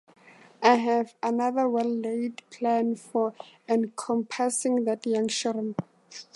I have another well-laid plan for encompassing that young shrimp.